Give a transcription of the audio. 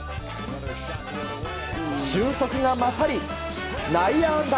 俊足が勝り内野安打。